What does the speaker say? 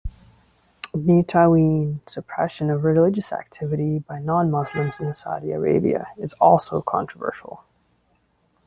Mutaween suppression of religious activity by non-Muslims in Saudi Arabia is also controversial.